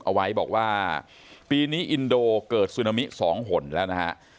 เอาไว้บอกว่าปีนี้อินโดเกิดซึนามิ๒หนแล้วนะฮะ